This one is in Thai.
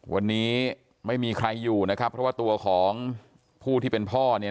วันนี้ไม่มีใครอยู่นะครับเพราะว่าตัวของผู้ที่เป็นพ่อเนี่ย